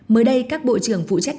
mới đây các bộ trưởng phụ trách